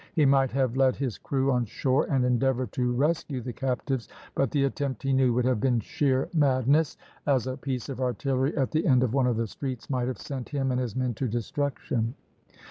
He might have led his crew on shore and endeavoured to rescue the captives, but the attempt he knew would have been sheer madness, as a piece of artillery at the end of one of the streets might have sent him and his men to destruction.